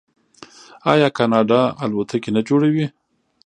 آیا کاناډا الوتکې نه جوړوي؟